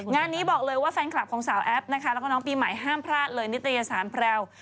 งานนี้บอกเลยว่าแฟนคลับของสาวแอฟนะคะแล้วก็น้องปีใหม่ห้ามพลาดเลยนิตยสารแพรว